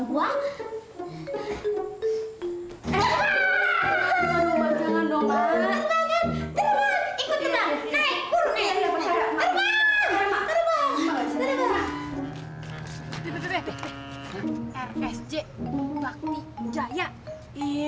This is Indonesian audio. udah buluan dah